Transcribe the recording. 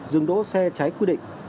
dừng đỗ xe trái quy định